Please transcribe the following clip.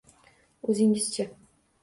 -O’zingiz-chi?